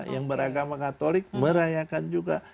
yang beragama katolik merayakan juga